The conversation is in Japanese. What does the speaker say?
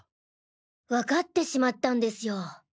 わかってしまったんですよ。